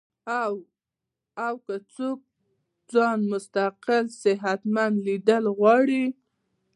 او کۀ څوک ځان مستقل صحتمند ليدل غواړي